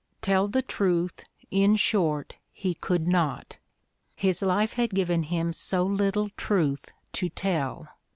"Tell the truth," in short, he could not; his life had given him so little truth to tell.